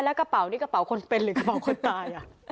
แล้วกระเป๋านี่กระเป๋าคนเป็นหรือกระเป๋าคนตาย